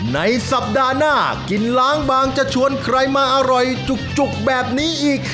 ในสัปดาห์หน้ากินล้างบางจะชวนใครมาอร่อยจุกแบบนี้อีก